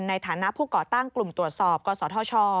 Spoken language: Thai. ในฐานะผู้ก่อตั้งกลุ่มตรวจสอบกศธช